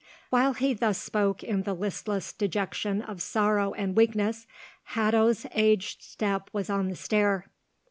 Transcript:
While he thus spoke in the listless dejection of sorrow and weakness, Hatto's aged step was on the stair.